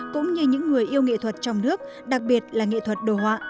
cũng như những người yêu nghệ thuật trong nước đặc biệt là nghệ thuật đồ họa